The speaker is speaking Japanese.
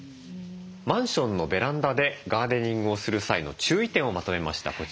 マンションのベランダでガーデニングをする際の注意点をまとめました。